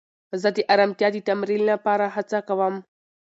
زه د ارامتیا د تمرین لپاره هڅه کوم.